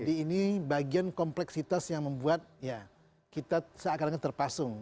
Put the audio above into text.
jadi ini bagian kompleksitas yang membuat ya kita seakan akan terpasung